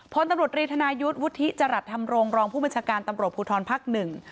พลตำรวจรีธนายุทธ์วุฒิจรัสธรรมรงรองผู้บัญชาการตำรวจภูทรภักดิ์หนึ่ง